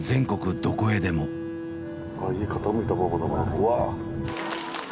うわ。